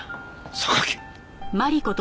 榊！